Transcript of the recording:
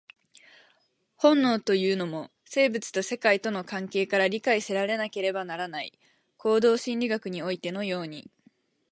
本能というのも、生物と世界との関係から理解せられなければならない、行動心理学においてのように。